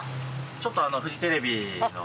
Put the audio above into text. ちょっとフジテレビの。